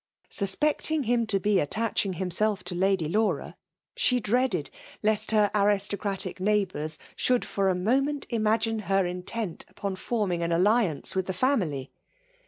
Suspecting Urn to be at* tadnng himself to Lady Laura, she dreaded lest her aristocratic neighbours should for a moment imi^ine her intuit upon forming ati alliance with the family.